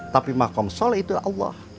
tapi mahkamah soleh itu allah